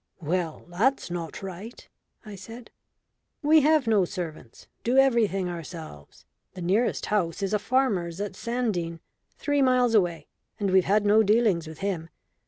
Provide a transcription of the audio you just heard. "Well, that's not right," I said. "We have no servants do everything ourselves. The nearest house is a farmer's at Sandene, three miles away, and we've had no dealings with him.